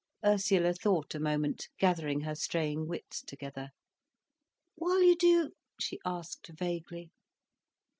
Ursula thought a moment, gathering her straying wits together. "While you do—?" she asked vaguely.